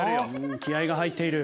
気合が入っている。